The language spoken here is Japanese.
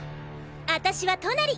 あたしはトナリ。